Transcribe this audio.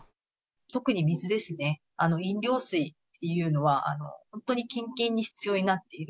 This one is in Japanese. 特に水ですね、飲料水っていうのは、本当にきんきんにひつようになっている。